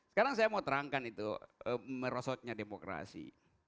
sekarang saya mau terangkan itu merosotnya demokrasi